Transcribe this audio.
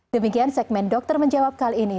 demikian segmen dokter menjawab kali ini